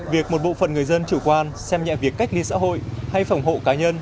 việc một bộ phận người dân chủ quan xem nhẹ việc cách ly xã hội hay phòng hộ cá nhân